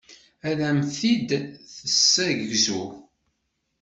Ad am-t-id-tessegzu.